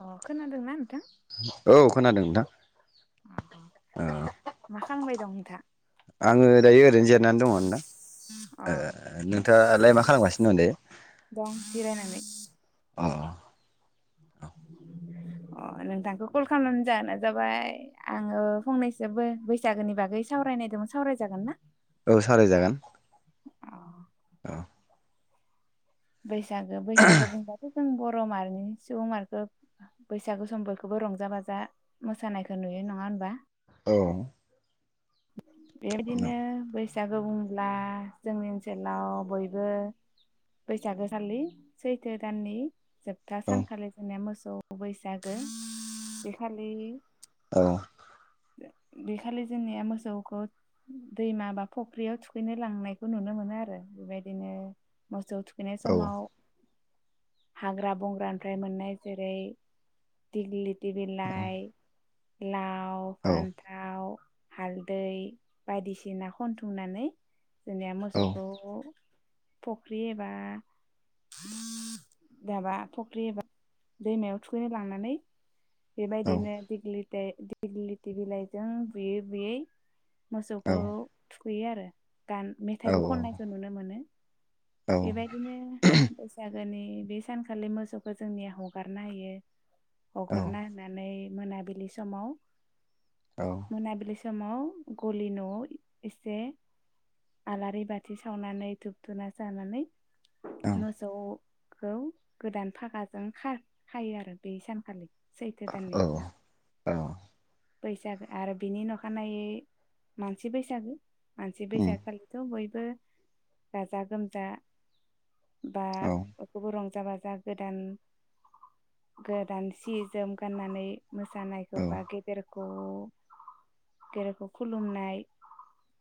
अ खोनादों ना नोंथां? औ खोनादों नोंथां। अ ओ मा खालामबाय दं नोंथाङा। आङो दायो ओरैनो जिरनानै दङ दा अ नोंथाङालाय मा खालामगासिनो दं दायो? दं जिरायनानै अ अ नोंथांखौ कल खालामनानै जानो जाबाय आङो फंनैसोबो बैसागोनि बागै सावरायनायदोंमोन सावरायजागोन ना? औ सावराय जागोन अ अ। बैसागो बैसागो बुंबाथ जों बहद मारिनि सुबुं माहारिखो बैसागु सम बयखौबो रंजा बाजा मोसानायखौ नुयो नङा होनबा। औ बेबादिनो बैस बैसागो बुंब्ला जोंनि ओनसोलाव बयबो बैसागोखालि सैथो दाननि जोबथा औ सानखालि जोंनिया मोसौ औ बैसागो बेखालि औ बे खालि जोंनिया मोसौ मोसौखौ दैमा बा फख्रियाव थुखैनो लांनायखौ नुनो मोनो आरो बेबायदिनो मोसौ थुख खैनाय औ समाव हाग्रा बंग्रानिफ्राय मोननाय जेरै दिगलि बिलाइ ला औ फान्थाव हालदै दै बायदिसिना खनथुमनानै जोंनिया मोसौखौ फख्रि एबा दाबा फख्रि एबा दैमायाव थुखैनो लांनानै औ बेबायदिनो दिग्लि दिलिथि बिलाइजों बुयै बुयै मोसौखौ थुखैयो आरो गान औ मेथाइबो खननायखौ नुनो मोनो ओं बेबायदिनो बैसागु बे सानखालि मोसौखौ जोंनिया हगारना हायो हगारना होननानै मोनाबिलि समाव मोनाबिलि समाव समाव गलि न'आव एसे आलारि बाथि सावनानै धुुबधुना जानानै औ मोसौ खौ गोदान फागाजों खायो आरो बे सानखालि सैथो दाननि औ बैसागो आरो बिनि अखानायै मानसि बैसागो मानसि उम बैसागो खालिथ' बयबो गाजा गोमजा बा औ बयखौबो रंजा रंजा बाजा गोदान गोदान सि जोम गाननानै मोसानायखौ बा गेदेर [unintelligible] खुलुमनाय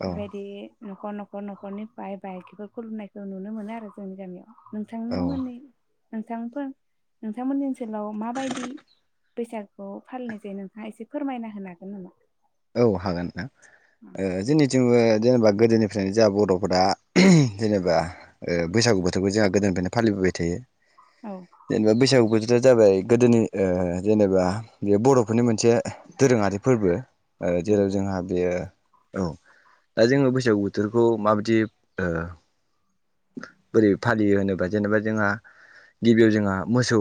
औ बेेबायदि न'खर न'खर न'खरनि बाय बाहागि बेफोरखौ खुलुमनायखौ नुनो मोनो आरो जोंनि गामियाव औ नोंथांनो मोननै नोंथांफोर नोंथांमोननि ओनसोलाव माबायदि बैसागुखौ फालिनाय जायो नोंथाङा एसे फोरमायना होनो हागोन नामा औ हागोन नोंथां जोंनिथिंबो जेनेबा गोदोनिफ्रायनो जोंहा बर'फोरा जेनेबा ओ बैसागु बोथोरखौ जोंहा गोदोनिफ्रायनो फालिबोबाय थायो औ जेनेबा बैसागुखौ जों जाबाय गोदोनि जेनेबा बे बर'फोरनि मोनसे दोरोङारि फोरबो ओ जेराव नंगौ जोंहा बेयो औ दा जोङो बैसागु बोथोरखौ माबायदि ओ बोरै फालियो होनोबा जेनेबा जोंहा गिबियाव जोंहा मोसौ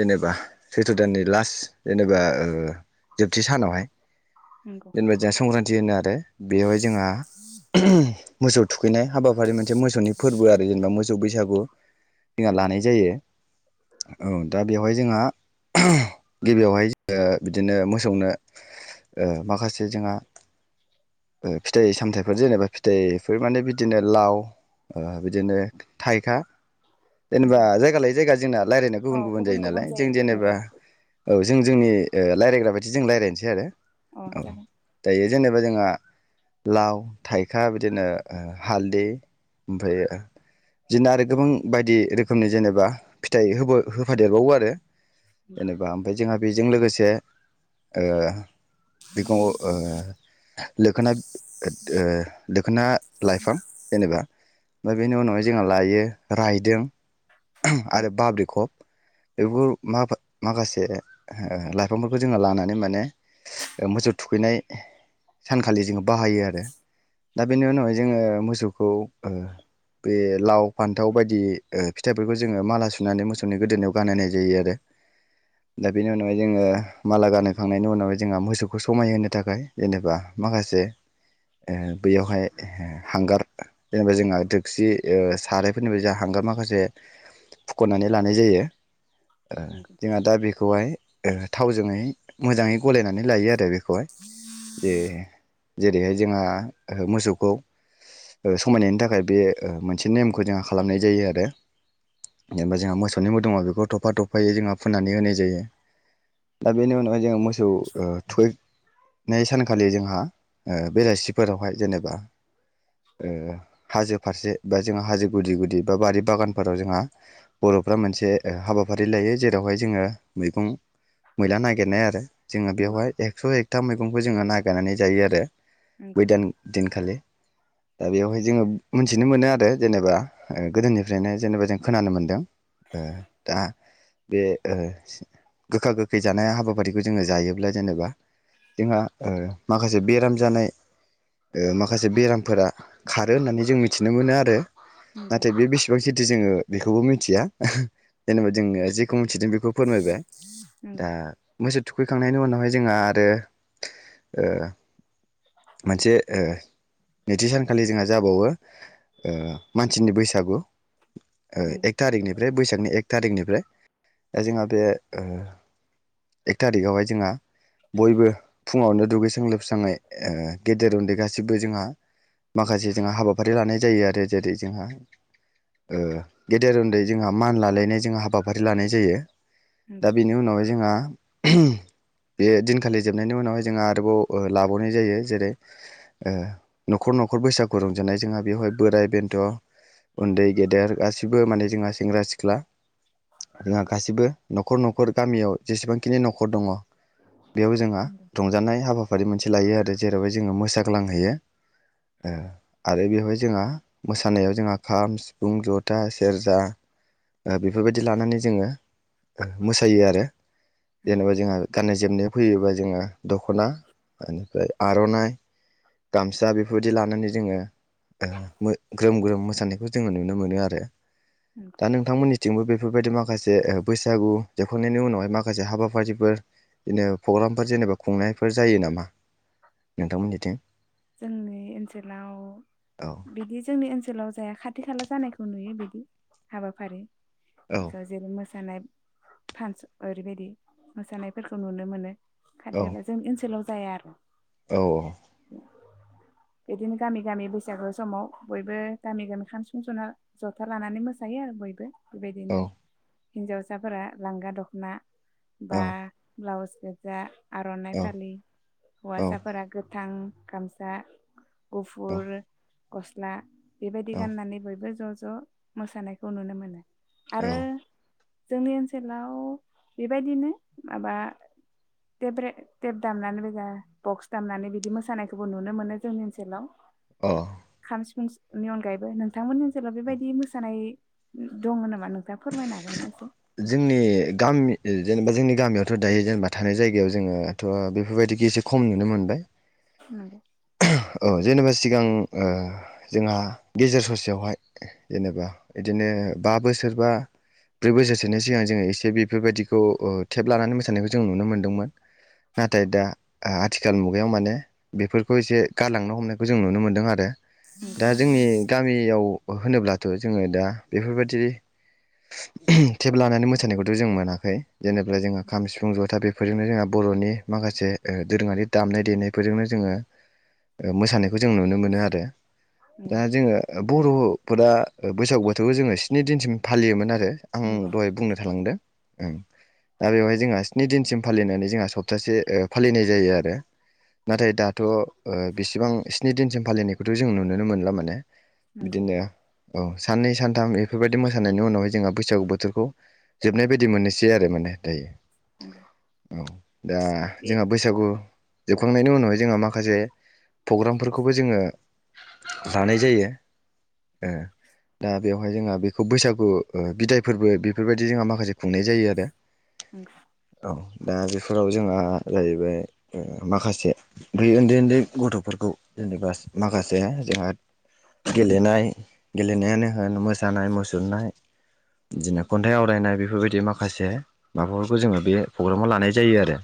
जेनेबा सैथ्र' दाननि लास्ट जेनेबा ओ जोबथि सानावहाय नंगौ जेनेबा जोंहा संक्रान्ति होनो आरो बेवहाय जोंहा मोसौ थु खैनाय हाबाफारि मोनसे मोसौनि फोरबो आरो जेनेबा मोसौ सौ बैसागु जोंहा नंगौ लानाय जायो औ दा बेवहाय जोंहा गिबियावहाय जोङो बिदिनो मोसौनो ओ माखासे जोंहा ओ फिथाइ सामथायाइफोर जेनेबा फिथाइफोर माने बिदिनो लाव ओ बिदिनो थाइखा जेनेबा नंगौ जायगा लायै जायगा जोंना लायरायनाया गुबुन गुबुन जायो नालाय जों जेनेबा औ जों जोंनि ओ लायरायग्रा बायदि जों लायरायनिसै आरो अ औ जागोन दायो जेनेबा जोंहा लाव थाइखा बिदिनो हालदै ओमफ्राय बिदिनो आरो गोबां बायदि रोखोमनि जेनेबा फिथाइ होफादेरबावो आरो नंगौ जेनेबा ओमफाय जोंहा बेजों लोगोसे बिखौव ओ लोखोना ओ लोखोना लाइफां जेनेबा ओमफाय बेनि उनावहाय जोंहा लायो रायदों औ आरो बाब्रिखब बेफोरखौ माबा माखासे लाइफांफोरखौ जोङो लानानै माने मोसौ थुखैनाय सानखालि जोङो बाहायो आरो दा बेनि उनावहाय जोङो मोसौखौ ओ बे लाव फानथाव बायदि फिथाइफोरखौ जोङो माला सुनानै मोसौनि गोदोनायाव गानहोनाय जायो आरो दा बेनि उनावहाय जोङो माला गानहोखांनायनि उनावहाय जोंहा मोसौखौ समायहोनो थाखाय जेनेबा माखासे बैयावहाय हांगार जेनेबा जोंहा दोकसि सारायफोरनिबो जोंहा हांगार माखासे फुख'नानै लानाय जायो ओ नंगौ जोंहा दा बेखौ बेखौहाय ओ थावजोंहाय मोजाङै गलायनानै लायो आरो बेख बेखौहाय जे जेरैहाय जोंहा ओ मोसौखौ ओ समायनायनि थाखाय बे मोनसे नेमखौ जोंहा खालामनाय जायो आरो जेनेबा जोंहा मोसौनि मोदोमाव बेखौ थफा थफायै जोंहा फोननानै होनाय जायो दा बेनि उनावहाय जोंहा मो सौ ओ थुखै नाय सानखालि जोंहा बेलासिफोरावहाय जेनेबा ओ हाजो फारसे बा जोंङा हाजो गुदि गुदि बा बारि बागान फोराव जोंहा बर'फ्रा मोनसे हाबाफारि लायो जेरावहाय जोङो मैगं मैला नागिरनाय आरो जोङो नंगौ बेवहाय एकस' एकथा मैगंफोर जों जोङो नागिरनानै जायो आरो बै नंगौ दान दिनखालि दा बेवहाय जोङो मोनथिनो मोनो आरो जेनेबा ओ गोदोनिफ्रायनो जेनेबा जों खोनानो मोनदों दा बे गोखा गोखै जानाय हाबाफारिखौ जोङो जायोब्ला जेनेबा जोंहा माखासे बेराम जानाय माखासे बेरामफोरा खारो होननानै जों मिथिनो मोनो आरो नंगौ नंगौ नाथाय बे बेसे [unintelligible] ओ बेखौबो मिथिया जेनेबा जोङो जेख मिथिदों बेखौ फोरमायबाय दा नंगौ थुखैखांनायनि उनावहाय जोंहा आरो ओ मोनसे ओ नैथि सानखालि जोंहा जाबावो ओ मानसिनि बैसागु एक थारिकनिफ्राय बैसाग एक थारिखनिफ्राय जोंहा बे ओ एक थारिकावहाय जोंहा बयबो फुङावनो दुगैस्रां लोबस्रङै ओ गेदेर उन्दै गासिबो जोंहा माखासे जोंहा हाबाफारि लानाय जायो आरो जेरै जोंहा ओ गेदेर उन्दै जोंहा मान लालायनाय जोंहा हाबाफारि लानाय जायो दा नंगौ बेनि उनावहाय जोंहा ओम बे दिनखालि जोबनायनि उनावहाय जोंहा ओ आरोबाव लाबावनाय जायो जेरै न'खर न'खर बैसागु रंजानाय जोंहा बेवहाय बोराय बेन्थ' उन्दै गेदेर गासिबो माने जोंहा सेंग्रा सिख्ला जोंहा गासिबो न न'खर न'खर गामियाव जेसेबांखिनि न'खर दङ बेयाव जोंहा रंजानाय बा बेफारि मोनसे लायो आरो जेरावहाय जोङो मोसाग्लांहैयो ओ आरो बेवहाय जोंहा मोसानायाव जोंहा खाम [unintelligible] सिफुं जथा सेरजा ओ बेफोरबायदि लानानै जोङो मोसायो आरो नंगौ जेनेबा जोंहा गाननाय जोमनायाव फैयोबा जोङो दख'ना बेनिफ्राय आर'नाइ गामसा बेफोरबायदि लानानै जोङो ग्रोम ग्रोम मोसा जोङो नुनो मोनो आरो नंगौ दा नोंथांमोन थिंबो बेफोरबायदि माखासे बैसागु जेखांनायनि उनावहाय माखासे हाबाफारिफोर बिदिनो प्रग्रामफोर जेनेबा खुंनायफोर जायो नामा नोंथांमोननिथिं जोंनि ओनसोलाव औ बिदि जोंनि ओनसोलाव जाया खा खाथि खाला जानायखौ नुयो बिदि हाबाफारि औ [unintelligible] मोसानाय फान्सन ओरैबायदि मोसानायफोरखौ नुनो मोनो खाथि खाला जोंनि ओनसोलाव जाय आर' औ औ बिदिनो गामि गामि बैसागो समाव बयबो गामि गामि खान सुंज'ना जथा लानानै मोसायो आरो बयबो। बेबायदि औ नो हिन्जावसाफोरा लांगा दख'ना बा औ ब्लाउस गोजा आर'नाय औ फालि हासाफोरा गोब थां गामसा गुफुर गस्ला बेबायदि औ गाननानै बयबो ज'ज ज' मोसानायखौ नुनो मोनो औ आरो जोंनि ओनसोलाव बेबायदिनो माबा तेब्रे तेब दामनानै बोजा बक्स दामनानै बिदि मोसानायखौबो नुनो मोनो जोंनि ओनसोलाव अह सिफुंसनि अनगायैबो नोंथांमोननि ओनसोलाव बेबायदि मोसानाय दङ नामा? नोंथाङा फोरमायनो हागोन ना एसे? जोंनि गामि जेनेबा जोंनि गामियावथ' दायो जेनेबा थानाय जायगायाव जोङोथ' बेफोर बायदिखि एसे खम नुनो मोनबाय। नोंगौ औ जेनेबा सिगां ओ जोंहा गेजेर ससेयावहाय जेनेबा इदिनो बा बोसोर बा ब्रै बोसोरसोनि सिगां जोङो एसे बेफोरबायदिखौ ओ टेप लानानै मोसानायखौ जों नुनो मोनदोंमोन नाथाय दा आ आथिखाल मुगायाव माने बेफोर बो एसे गारलांनो हमनायखौ जों नुनो मोनदों आरो। दा जोंनि गामियाव होनोब्लाथ' जोङो दा बेफोरबायदि टेप लानानै मोसानायखौथ' जों मोनाखै जेनेब्ला जोंहा खाम सिफुं जथा बेफोरजोंनो जोंहा बर'नि माखासे ओ दोरोङारि दामनाय देनायफोरजोंनो जोङो ओ मोसानायखौ जों नुनो मोनो आरो। दा नंगौ जोङो ओब बर'फोरा ओ बैसागु बोथोरखौ जोङो स्नि दिनसिम फालियोमोन आरो। आं नंगौ दहाय बुंनो थालांदों ओं दा बेवहाय जोंहा स्नि दिनसिम फालिनानै जोंहा सप्तासे ओ फालिनाय जायो आरो नाथाय दा स्नि दिनसिम फालिनायखौथ' जों नुनो मोनला माने। नंगौ बिदिनो औ साननै सानथाम एफोरबायदि मोसानायनि उनावहाय जोंहा बैसागु बोथोरखौ जोबनाय बायदि मोननोसै आरो माने दायो। नोंगौ। औ दा जोंहा बैसागु जोबखांनायनि उनावाय जोंहा मा माखासे प्रग्रामफोरखौबो जोङो लानाय जायो ओ दा बेवहाय जोंहा बेखौ बैसागु ओ बिदायफोरबो बेफोरबायदि जोंहा माखासे खुंनाय जायो आरो औ [unintelligible] दा बेफोराव जोंहा जाहैबाय ओ माखासे बै उन्दै उन्दै गथ'फोरखौ जेनेबा माखासे जोंहा गेलेनाय गेलेनायानो होन मोसानाय मुसुरनाय बिदिनो खन्थाइ आवरायनाय बेफोरबायदि माखासे माबाफोरखौ जोङो बे प्रग्रामाव लानाय जायो आरो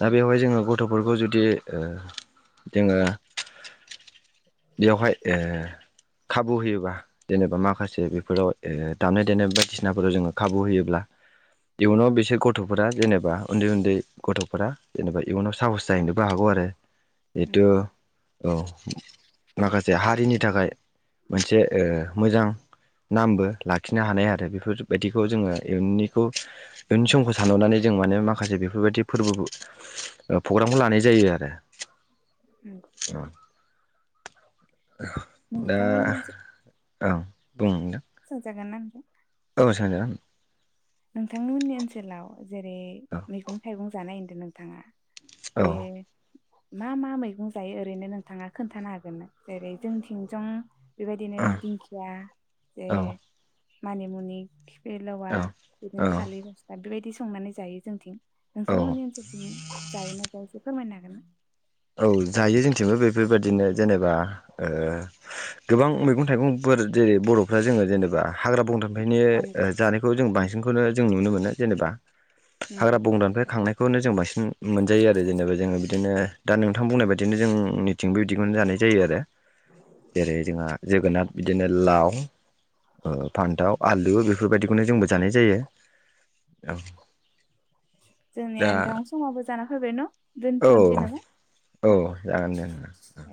दा नंगौ बेवहाय जोङो गथ'फोरखौ जुद जे ओ जोङो बेवहाय ओ खाबु होयोबा जेनेबा माखासे बेफोराव ओ दामनाय देनाय बायदिसिनाफोराव जोङो खाबु होयोब्ला इयुनाव बिसोर गथ'फोरा जेनेबा उन्दै उन्दै गथ'फोरा जेनेबा इयुनाव साहस जाहैनोबो हागौ आरो [unintelligible] नंगौ एथ' औ माखासे हारिनि थाखाय मोनसे ओ मोजां नामबो लाखिनो हानाय आरो बेफोरबायदिखौ जोङो इयुननिखौ इयुननि समखौ सानहरनानै जों माने माखासे बेफोरबायदि फोरबो प्रग्रामखौ लानाय जायो आरो आरोे नंगौ औ [inaudible] दा नोंथांमोननि ओनसोलाव ओं बुंनो नों सोंजागोन ना नोंथां? औ सोंजागोन नोंथांनिमोननि ओनसोलाव जेरै मैगं थाइगं जानाय नोंथाङा औ बे मा मा मैगं जायो ओरैनो नोंथाङा खोन्थानो हागोन ना जेरै जोंथिं जं बेबायदिनो औ दिंखिया जे मानिमुनि खिफ खिफिलेवा औ औ बि थालि फसला बेबायदि संनानै जायो जोंथिं औ नोंथांमोननि ओनसोलथिं जायो ना जाया जे फोरमायनो हागोन ना? औ जायो जोंथिंबो बेफोरबायदिनो जेनेबा ओ गोबां मैगं थाइगंफोर जेरै बर'फ्रा जोङो जेनेबा हाग्रा बंग्रा ओंखायनो अ ओ नंगौ जानायखौ जों बांसिन बेखौनो जों नुनो मोनो जेनेबा नंगौ हाग्रा बंग्रानिफ्राय खांनाय बेखौनो जों बांसिन मोनजायो आरो जेनेबा जोङो बिदिनो दा नोंथां बुंनाय बायदिनो जोंनिथिंबो बिदिखौनो जानाय जायो आरो जेरै जोंहा जोगोनार बिदिनो लाव ओ फान्थाव आलु बो बेफोरबायदिखौनो जोंबो जानाय जायो ओं जोंनिया नोंथां समावो जाना फैबाय न' औ दोनथ'नोसै नामा औ जागोन दे होनबा